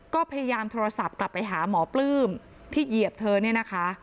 ก็พยายามโทรศัพท์กลับไปหาหมอปลื้มที่เหยียบเธอเนี่ยนะคะ